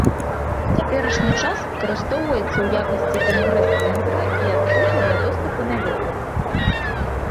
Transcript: У цяперашні час выкарыстоўваецца ў якасці кангрэс-цэнтра і адкрыты для доступу наведвальнікаў.